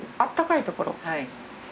はい。